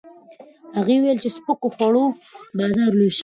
هغه وویل چې د سپکو خوړو بازار لوی شوی دی.